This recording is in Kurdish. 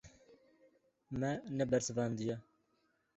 Me nebersivandiye.